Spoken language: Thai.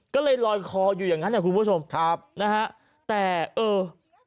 ก็เลยรอยคออยู่อย่างนั้นนะคุณผู้ชมแต่เออ